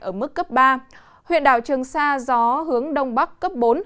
ở mức cấp ba huyện đảo trường sa gió hướng đông bắc cấp bốn